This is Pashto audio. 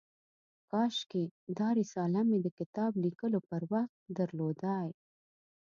کاشکي دا رساله مې د کتاب لیکلو پر وخت درلودای.